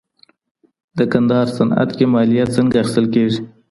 د کندهار صنعت کي مالیه څنګه اخیستل کېږي؟